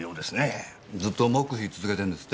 ずっと黙秘続けてるんですって？